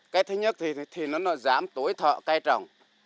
cái thứ nhất thì nó giảm tối thợ cây trồng